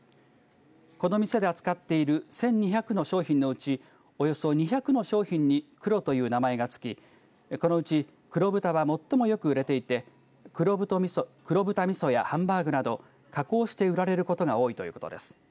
この店で扱っている１２００の商品のうちおよそ２００の商品に黒という名前が付きこのうち黒豚は最もよく売れていて黒豚みそやハンバーグなど加工して売られることが多いということです。